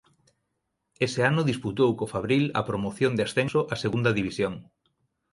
Ese ano disputou co Fabril a promoción de ascenso a Segunda División.